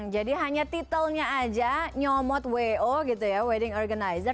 hanya titelnya aja nyomot wo gitu ya wedding organizer